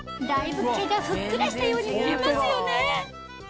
だいぶ毛がふっくらしたように見えますよね